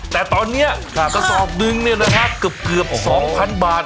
แต่ตอนนี้ตระสอบหนึ่งเนี่ยนะครับเกือบ๒๐๐๐บาท